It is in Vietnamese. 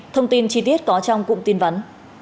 thông tin chi tiết có trong cụm tin vấn